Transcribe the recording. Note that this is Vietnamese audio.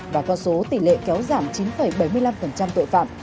và con số tỷ lệ kéo giảm chín bảy mươi năm tội phạm